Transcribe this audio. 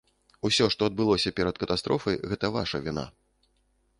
Усё, што адбылося перад катастрофай, гэта ваша віна.